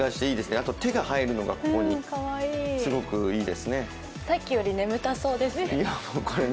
あと、手がここに入るのがすごくいいですね。